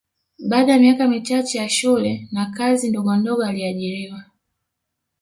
Baada ya miaka michache ya shule na kazi ndogondogo aliajiriwa